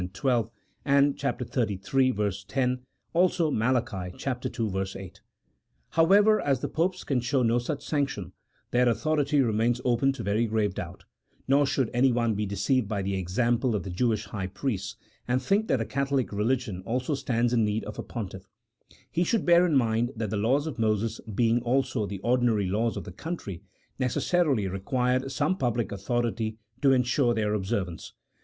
11, 12, and xxxiii. 10, also Malachi ii. 8.) However, as the popes can show no such sanction, their authority remains open to very grave doubt, nor should any one be deceived by the example of the Jewish high priests and think that the Catholic religion also stands in need of a pontiff ; he should bear in mind that the laws of Moses being also the ordinary laws of the country, necessarily re quired some public authority to insure their observance